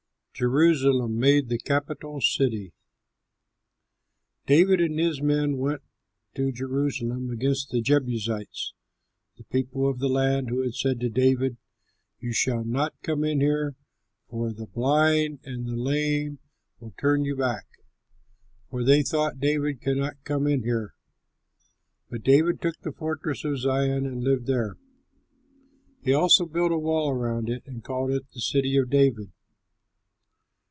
JERUSALEM MADE THE CAPITAL CITY David and his men went to Jerusalem against the Jebusites, the people of the land who had said to David, "You shall not come in here, for the blind and the lame will turn you back," for they thought, "David cannot come in here." But David took the fortress of Zion, and lived there. He also built a wall around it, and called it the City of David.